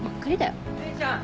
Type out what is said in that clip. ・姉ちゃん！